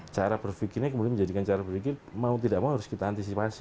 cara berpikirnya kemudian menjadikan cara berpikir mau tidak mau harus kita antisipasi